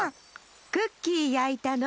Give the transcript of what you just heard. クッキーやいたの！